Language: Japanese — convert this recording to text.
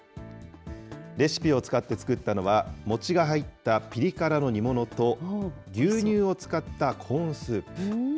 レシピを使って作ったのは、餅が入ったピリ辛の煮物と牛乳を使ったコーンスープ。